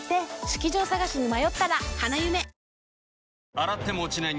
洗っても落ちない